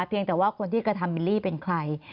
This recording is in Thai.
เพียงแต่ว่าคนที่กระทำบิลลี่เป็นใคร